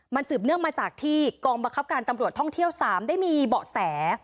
มันสืบเนื่องมาจากที่กองบังคับการตำรวจท่องเที่ยว๓ได้มีเบาะแส